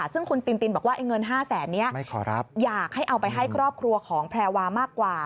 ซึ่งคุณตินตินบอกว่าเงิน๕แสนนี้อยากให้เอาไปให้ครอบครัวของแพรวามากกว่า